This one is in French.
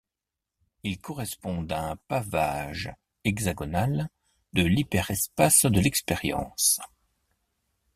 Ils correspondent à un pavage hexagonal de l'hyperespace de l'expérience.